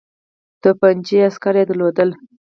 توپچي عسکر یې درلودل.